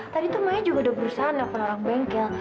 tadi tuh maya juga udah berusaha naik ke lorong bengkel